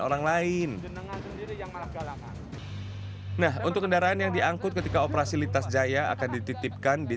orang lain nah untuk kendaraan yang diangkut ketika operasi litas jaya akan dititipkan di